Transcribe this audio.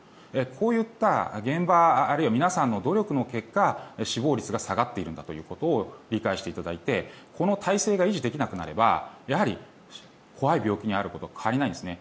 こういった現場あるいは皆さんの努力の結果死亡率が下がっているんだということを理解していただいてこの体制が維持できなくなれば怖い病気であることに変わりはないんですね。